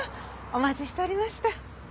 お待ちしておりました。